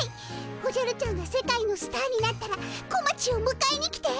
おじゃるちゃんが世界のスターになったらこまちをむかえに来て。